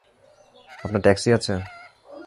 আপনার ট্যাক্সি আছে?